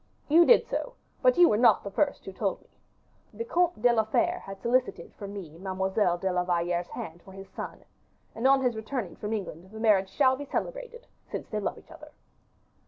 "You did so: but you were not the first who told me. The Comte de la Fere had solicited from me Mademoiselle de la Valliere's hand for his son. And, on his return from England, the marriage shall be celebrated, since they love each other."